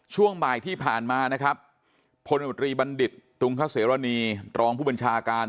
ช่วงบ่ายที่ผ่านมานะครับพลบุรีบัณฑิตตุงคเสรณีรองผู้บัญชาการ